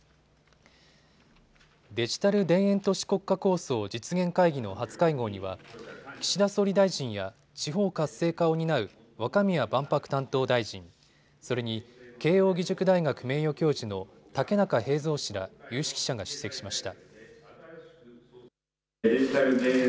デジタル田園都市国家構想実現会議の初会合には岸田総理大臣や地方活性化を担う若宮万博担当大臣、それに慶應義塾大学名誉教授の竹中平蔵氏ら有識者が出席しました。